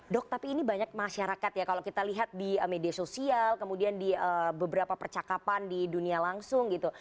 dok tapi ini banyak masyarakat ya kalau kita lihat di media sosial kemudian di beberapa percakapan di dunia langsung gitu